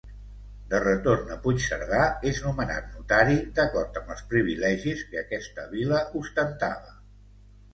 De retorn a Puigcerdà és nomenat notari d'acord amb els privilegis que aquesta Vila ostentava.